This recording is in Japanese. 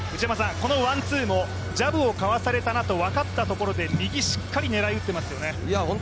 このワン・ツーもジャブをかわされたなと分かったところで右、しっかり狙い打っていますよね